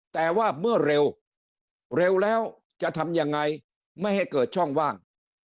แต่ว่าเมื่อเร็วเร็วแล้วจะทำยังไงไม่ให้เกิดช่องว่าง